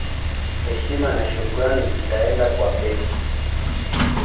Heshima na shukrani zikaenda kwa Pep